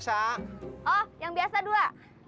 oh yang biasa dua